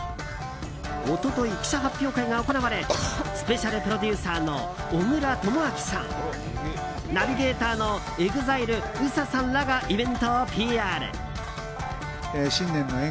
一昨日、記者発表会が行われスペシャルプロデューサーの小倉智昭さんナビゲーターのＥＸＩＬＥＵＳＡさんらがイベントをＰＲ。